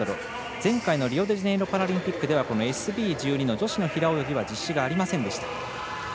前回のリオデジャネイロパラリンピックではＳＢ１２の女子の平泳ぎは実施がありませんでした。